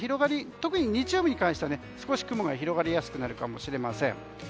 日曜日に関しては少し雲が広がりやすくなるかもしれません。